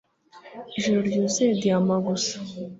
Ijoro ryuzuye diyama gusa